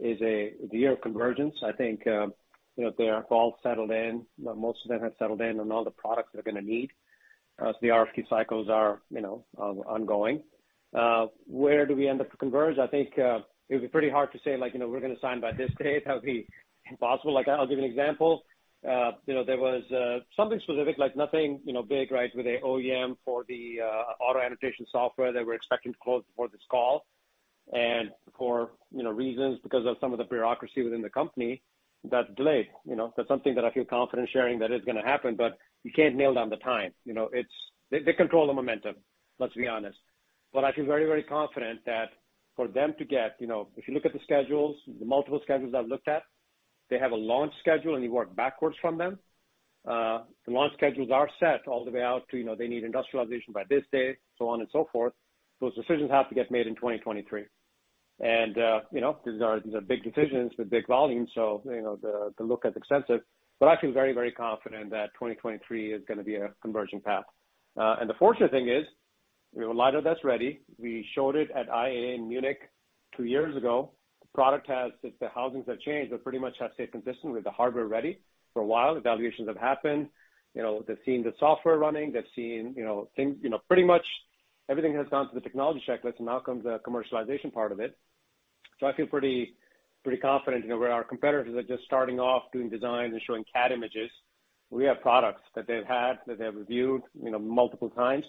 is a, the year of convergence. I think, you know, they are all settled in. Most of them have settled in on all the products they're gonna need. The RFQ cycles are, you know, ongoing. Where do we end up to converge? I think, it would be pretty hard to say like, you know, we're gonna sign by this date. That would be impossible. Like, I'll give an example. You know, there was something specific like nothing, you know, big, right, with a OEM for the auto-annotation software that we're expecting to close before this call. For, you know, reasons because of some of the bureaucracy within the company, that delayed. You know, that's something that I feel confident sharing that is gonna happen, but you can't nail down the time. You know, They control the momentum, let's be honest. I feel very, very confident that for them to get, you know, if you look at the schedules, the multiple schedules I've looked at, they have a launch schedule, and you work backwards from them. The launch schedules are set all the way out to, you know, they need industrialization by this date, so on and so forth. Those decisions have to get made in 2023. You know, these are big decisions with big volume, so, you know, the look is extensive. I feel very, very confident that 2023 is gonna be a conversion path. The fortunate thing is, we have a lidar that's ready. We showed it at IAA in Munich two years ago. Since the housings have changed, they pretty much have stayed consistent. We have the hardware ready for a while. Evaluations have happened. You know, they've seen the software running. They've seen, you know, things, you know, pretty much everything has gone through the technology checklist. Now comes the commercialization part of it. I feel pretty confident, you know, where our competitors are just starting off doing designs and showing CAD images, we have products that they've had, that they have reviewed, you know, multiple times.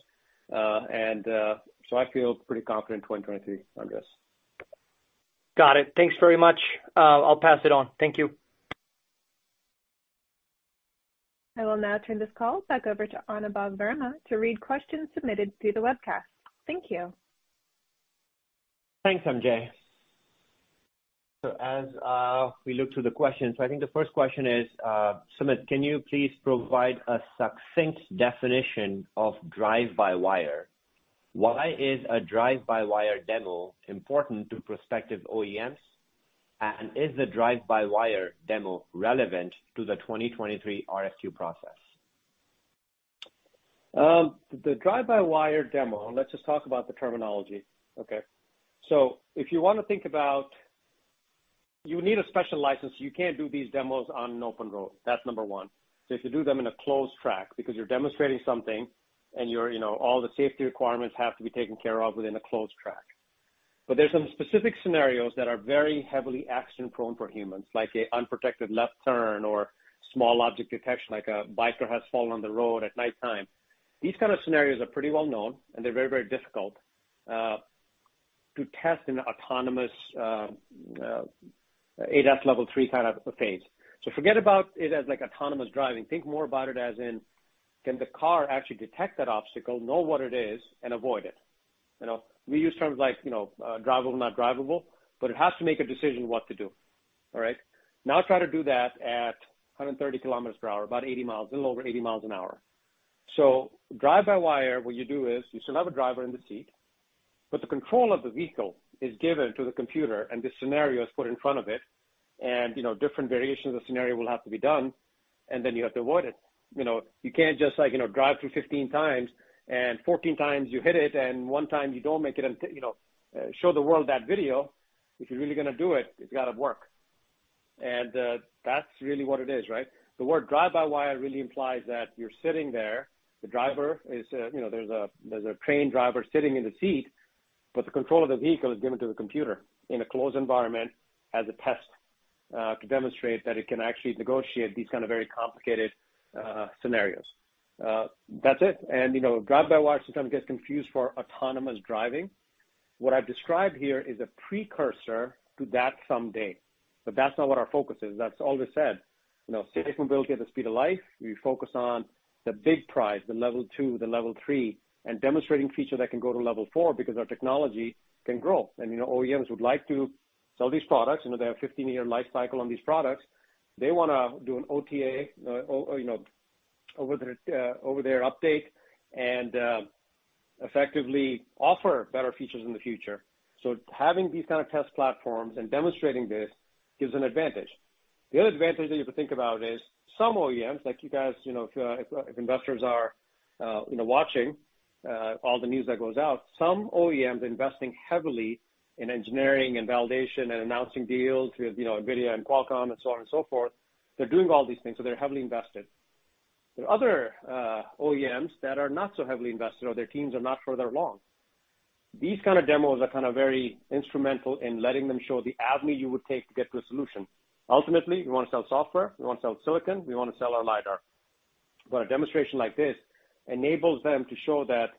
I feel pretty confident in 2023, I guess. Got it. Thanks very much. I'll pass it on. Thank you. I will now turn this call back over to Anubhav Verma to read questions submitted through the webcast. Thank you. Thanks, MJ. As we look through the questions, I think the first question is, Sumit, can you please provide a succinct definition of drive-by-wire? Why is a drive-by-wire demo important to prospective OEMs? And is the drive-by-wire demo relevant to the 2023 RFQ process? The drive-by-wire demo, let's just talk about the terminology. Okay. If you wanna think about. You need a special license. You can't do these demos on an open road. That's number one. You have to do them in a closed track because you're demonstrating something and you know, all the safety requirements have to be taken care of within a closed track. There's some specific scenarios that are very heavily accident-prone for humans, like a unprotected left turn or small object detection like a biker has fallen on the road at nighttime. These kind of scenarios are pretty well known, they're very, very difficult to test in autonomous ADAS level three kind of phase. Forget about it as like autonomous driving. Think more about it as in, can the car actually detect that obstacle, know what it is, and avoid it? You know, we use terms like, you know, drivable, not drivable, but it has to make a decision what to do. All right? Try to do that at 130 kilometers per hour, about 80 miles, a little over 80 miles an hour. Drive-by-wire, what you do is you still have a driver in the seat, but the control of the vehicle is given to the computer, and this scenario is put in front of it. You know, different variations of the scenario will have to be done, and then you have to avoid it. You know, you can't just like, you know, drive through 15 times and 14 times you hit it and one time you don't make it and you know, show the world that video. If you're really gonna do it's gotta work. That's really what it is, right? The word drive-by-wire really implies that you're sitting there, the driver is, you know, there's a, there's a trained driver sitting in the seat. The control of the vehicle is given to the computer in a closed environment as a test to demonstrate that it can actually negotiate these kind of very complicated scenarios. That's it. You know, drive-by-wire sometimes gets confused for autonomous driving. What I've described here is a precursor to that someday, but that's not what our focus is. That's all I said. You know, safety and mobility at the speed of life, we focus on the big prize, the L2, the L3, and demonstrating features that can go to L4 because our technology can grow. You know, OEMs would like to sell these products. You know, they have 15-year life cycle on these products. They wanna do an OTA, you know, over the over their update and effectively offer better features in the future. Having these kind of test platforms and demonstrating this gives an advantage. The other advantage that you have to think about is some OEMs, like you guys, you know, if investors are, you know, watching all the news that goes out, some OEMs are investing heavily in engineering and validation and announcing deals with, you know, NVIDIA and Qualcomm and so on and so forth. They're doing all these things, so they're heavily invested. There are other OEMs that are not so heavily invested or their teams are not further along. These kind of demos are kind of very instrumental in letting them show the avenue you would take to get to a solution. Ultimately, we wanna sell software, we wanna sell silicon, we wanna sell our lidar. A demonstration like this enables them to show that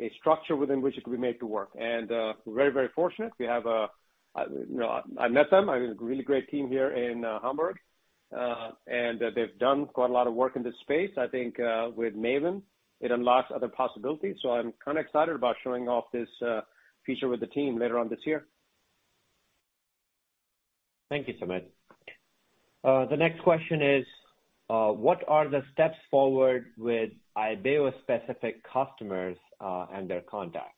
a structure within which it can be made to work. We're very, very fortunate. We have, you know, I met them. I have a really great team here in Hamburg, and they've done quite a lot of work in this space. I think, with MAVIN, it unlocks other possibilities. I'm kind of excited about showing off this feature with the team later on this year. Thank you, Sumit. The next question is, what are the steps forward with Ibeo specific customers, and their contacts?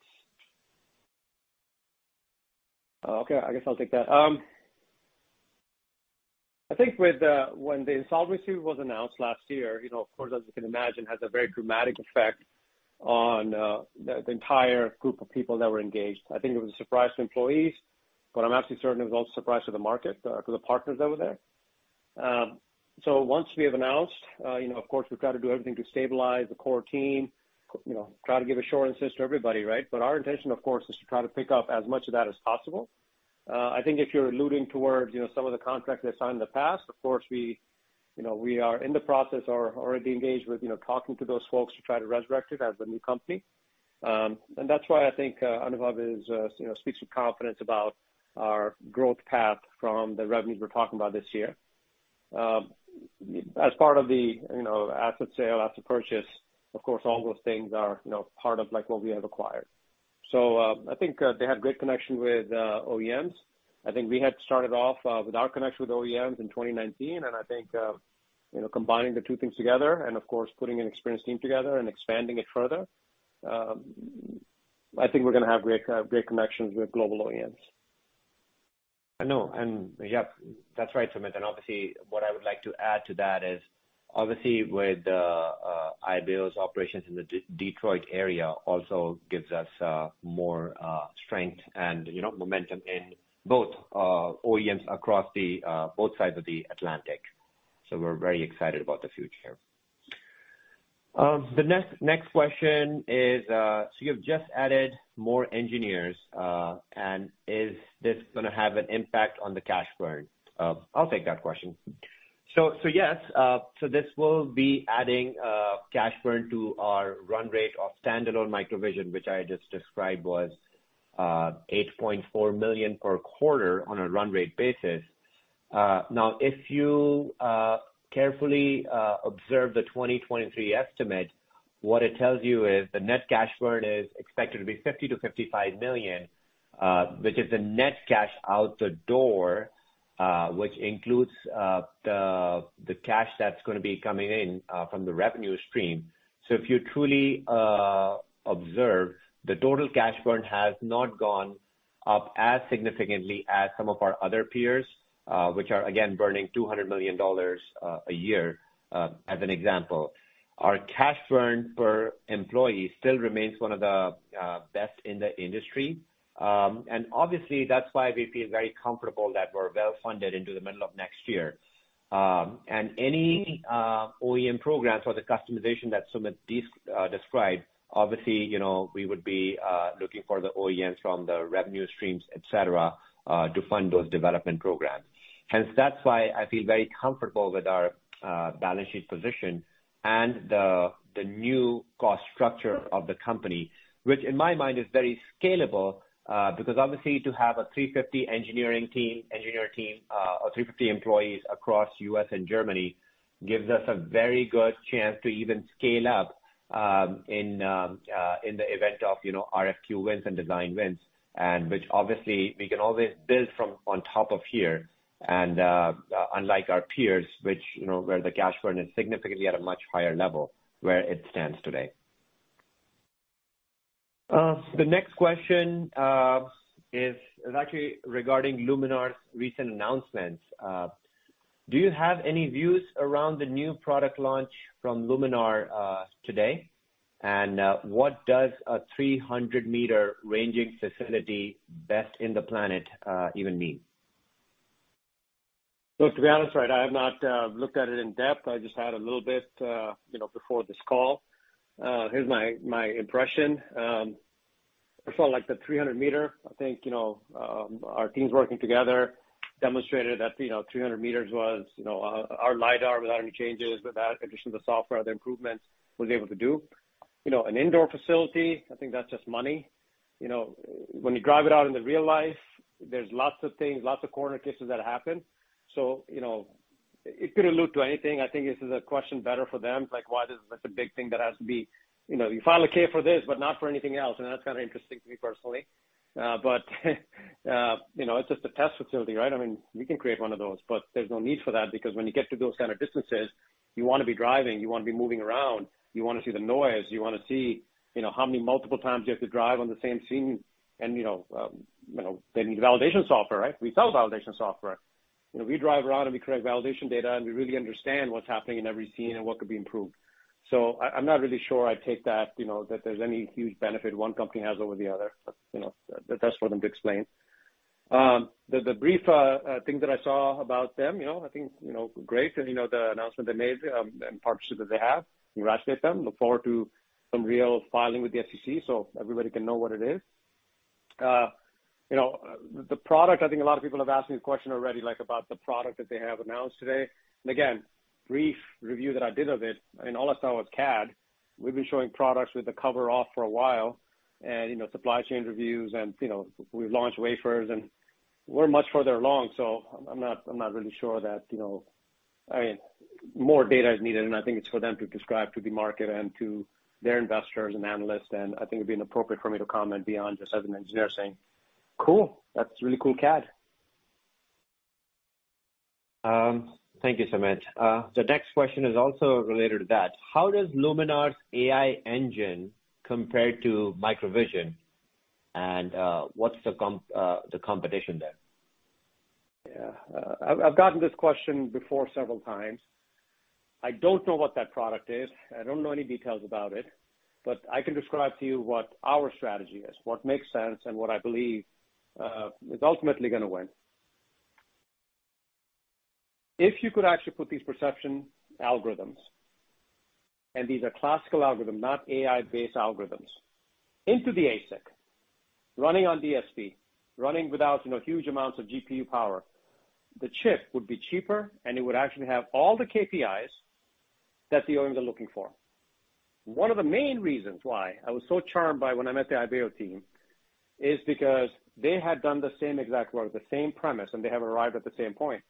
Okay, I guess I'll take that. I think when the insolvency was announced last year, you know, of course, as you can imagine, it has a very dramatic effect on the entire group of people that were engaged. I think it was a surprise to employees, but I'm actually certain it was also a surprise to the market 'cause the partners that were there. Once we have announced, you know, of course, we've got to do everything to stabilize the core team, you know, try to give assurances to everybody, right? Our intention, of course, is to try to pick up as much of that as possible. I think if you're alluding towards, you know, some of the contracts they signed in the past, of course, we, you know, we are in the process or already engaged with, you know, talking to those folks to try to resurrect it as a new company. That's why I think Anubhav is, you know, speaks with confidence about our growth path from the revenues we're talking about this year. As part of the, you know, asset sale, asset purchase, of course, all those things are, you know, part of like what we have acquired. I think they have great connection with OEMs. I think we had started off with our connection with OEMs in 2019, and I think, you know, combining the two things together and of course, putting an experienced team together and expanding it further, I think we're gonna have great connections with global OEMs. I know. Yeah, that's right, Sumit. Obviously, what I would like to add to that is obviously with Ibeo's operations in the Detroit area also gives us more strength and, you know, momentum in both OEMs across the both sides of the Atlantic. We're very excited about the future. The next question is, you have just added more engineers, is this gonna have an impact on the cash burn? I'll take that question. Yes, this will be adding cash burn to our run rate of standalone MicroVision, which I just described was $8.4 million per quarter on a run rate basis. Now, if you carefully observe the 2023 estimate, what it tells you is the net cash burn is expected to be $50 million-$55 million, which is the net cash out the door, which includes the cash that's gonna be coming in from the revenue stream. If you truly observe, the total cash burn has not gone up as significantly as some of our other peers, which are again, burning $200 million a year as an example. Our cash burn per employee still remains one of the best in the industry. Obviously, that's why we feel very comfortable that we're well funded into the middle of next year. Any OEM programs or the customization that Sumit described, obviously, you know, we would be looking for the OEMs from the revenue streams, et cetera, to fund those development programs. Hence, that's why I feel very comfortable with our balance sheet position and the new cost structure of the company, which in my mind is very scalable, because obviously to have a 350 engineer team, or 350 employees across U.S. and Germany gives us a very good chance to even scale up in the event of, you know, RFQ wins and design wins, and which obviously we can always build from on top of here. Unlike our peers, which, you know, where the cash burn is significantly at a much higher level where it stands today. The next question is actually regarding Luminar's recent announcements. Do you have any views around the new product launch from Luminar today? What does a 300 meter ranging facility best in the planet even mean? Look, to be honest, right, I have not looked at it in depth. I just had a little bit, you know, before this call. Here's my impression. I felt like the 300 meter, I think, you know, our teams working together demonstrated that, you know, 300 meters was, you know, our lidar without any changes, without addition to the software, the improvements was able to do. You know, an indoor facility, I think that's just money. You know, when you drive it out in the real life, there's lots of things, lots of corner cases that happen. You know, it could allude to anything. I think this is a question better for them. Like, why this is such a big thing that has to be, you know, you file a Form 10-K for this, but not for anything else. That's kind of interesting to me personally. You know, it's just a test facility, right? I mean, we can create one of those, but there's no need for that because when you get to those kind of distances, you wanna be driving, you wanna be moving around, you wanna see the noise, you wanna see, you know, how many multiple times you have to drive on the same scene. You know, they need validation software, right? We sell validation software. You know, we drive around and we create validation data, and we really understand what's happening in every scene and what could be improved. I'm not really sure I take that, you know, that there's any huge benefit one company has over the other. You know, that's for them to explain. The brief things that I saw about them, I think great. The announcement they made and partnership that they have, congratulate them. Look forward to some real filing with the SEC so everybody can know what it is. The product, I think a lot of people have asked me this question already, about the product that they have announced today. Again, brief review that I did of it, and all I saw was CAD. We've been showing products with the cover off for a while and supply chain reviews and we've launched wafers and we're much further along. I'm not, I'm not really sure that... I mean, more data is needed, and I think it's for them to describe to the market and to their investors and analysts, and I think it'd be inappropriate for me to comment beyond just as an engineer saying, "Cool. That's really cool CAD. Thank you, Sumit. The next question is also related to that. How does Luminar's AI engine compare to MicroVision and what's the competition there? Yeah. I've gotten this question before several times. I don't know what that product is. I don't know any details about it. I can describe to you what our strategy is, what makes sense and what I believe is ultimately gonna win. If you could actually put these perception algorithms, and these are classical algorithms, not AI-based algorithms, into the ASIC, running on DSP, running without, you know, huge amounts of GPU power, the chip would be cheaper, and it would actually have all the KPIs that the OEMs are looking for. One of the main reasons why I was so charmed by when I met the Ibeo team is because they had done the same exact work, the same premise, and they have arrived at the same point.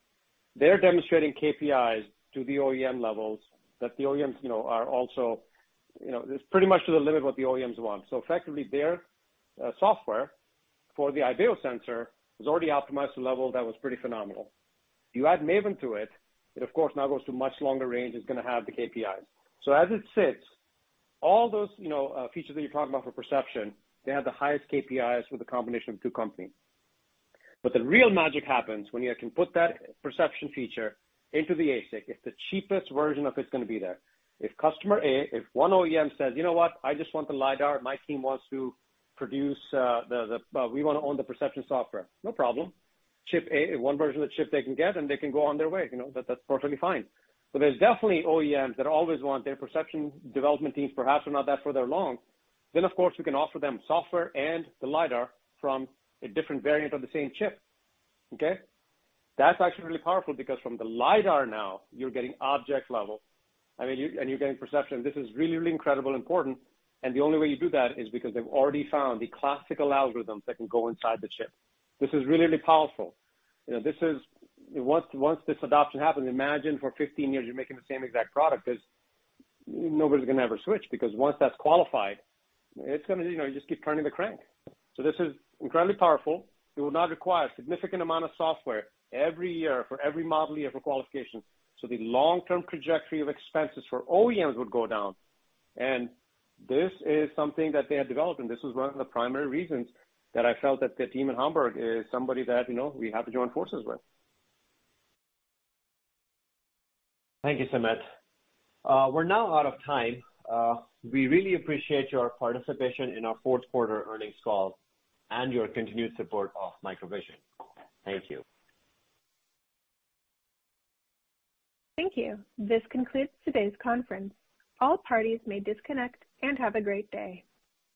They're demonstrating KPIs to the OEM levels that the OEMs are also, it's pretty much to the limit what the OEMs want. Effectively, their software for the Ibeo sensor was already optimized to a level that was pretty phenomenal. You add MAVIN to it of course now goes to much longer range, it's gonna have the KPIs. As it sits, all those features that you're talking about for perception, they have the highest KPIs with a combination of two companies. The real magic happens when you can put that perception feature into the ASIC. It's the cheapest version of it's gonna be there. If customer A, if one OEM says, "You know what? I just want the lidar. My team wants to produce, we wanna own the perception software." No problem. Ship A, one version of the chip they can get, they can go on their way. You know, that's perfectly fine. There's definitely OEMs that always want their perception development teams, perhaps who are not that further along. Of course, we can offer them software and the lidar from a different variant of the same chip. Okay? That's actually really powerful because from the lidar now, you're getting object level. I mean, you're getting perception. This is really incredibly important, and the only way you do that is because they've already found the classical algorithms that can go inside the chip. This is really powerful. You know, Once this adoption happens, imagine for 15 years you're making the same exact product. Nobody's gonna ever switch because once that's qualified, it's gonna, you know, you just keep turning the crank. This is incredibly powerful. It will not require a significant amount of software every year for every model year for qualification. The long-term trajectory of expenses for OEMs would go down. This is something that they have developed, and this was one of the primary reasons that I felt that the team in Hamburg is somebody that, you know, we have to join forces with. Thank you, Sumit. We're now out of time. We really appreciate your participation in our Q4 earnings call and your continued support of MicroVision. Thank you. Thank you. This concludes today's conference. All parties may disconnect and have a great day.